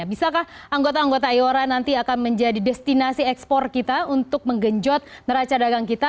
bisakah anggota anggota iora nanti akan menjadi destinasi ekspor kita untuk menggenjot neraca dagang kita